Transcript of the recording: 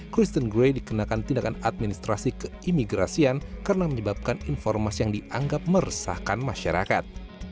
kristen gray dikenakan tindakan administrasi keimigrasian karena menyebabkan informasi yang dianggap meresahkan masyarakat